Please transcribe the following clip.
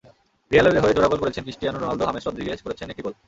রিয়ালের হয়ে জোড়া গোল করেছেন ক্রিস্টিয়ানো রোনালদো, হামেস রদ্রিগেজ করেছেন একটি গোল।